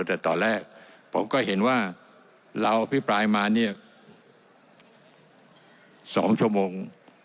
แต่ตอนแรกผมก็เห็นว่าเราอภิปรายมาเนี่ย๒ชั่วโมง